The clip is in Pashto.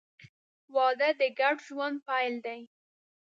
• واده د ګډ ژوند پیل دی.